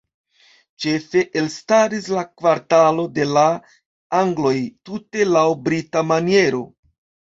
Ĉefe elstaris la kvartalo "de la angloj" tute laŭ brita maniero.